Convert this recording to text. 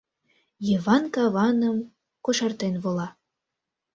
Йыван каваным кошартен вола.